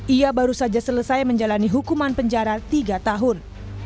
ia baru saja selesai menjalani hukuman penjara tiga tahun